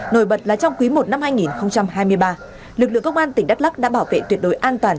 nổi bật là trong quý i năm hai nghìn hai mươi ba lực lượng công an tỉnh đắk lắc đã bảo vệ tuyệt đối an toàn